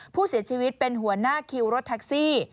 ผู้เสียชีวิตเป็นหัวหน้าคิวรถแท็กซี่